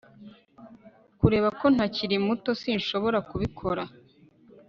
Kubera ko ntakiri muto sinshobora kubikora